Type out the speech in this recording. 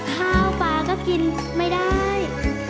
ข้าวปลาก็กินไม่ได้